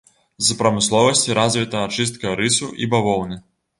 З прамысловасці развіта ачыстка рысу і бавоўны.